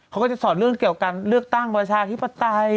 เขาก็จะสอนเรื่องเกี่ยวการเลือกตั้งประชาธิปไตย